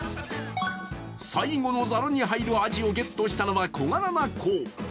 最後のザルに入るアジをゲットしたのは、小柄な子。